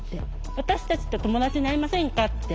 私たちと友達になりませんかって。